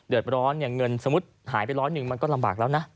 เดือดร้อนเนี่ยเงินสมมุติหายไปร้อยหนึ่งมันก็ลำบากแล้วนะ